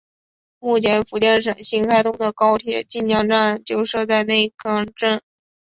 目前福建省新开通的高铁晋江站就设在内坑镇。